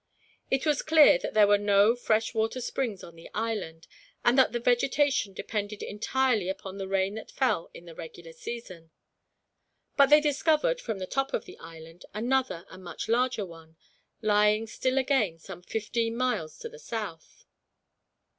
It was clear that there were no fresh water springs on the island, and that the vegetation depended entirely upon the rain that fell in the regular season. But they discovered, from the top of the island, another and much larger one; lying, still again, some fifteen miles to the south.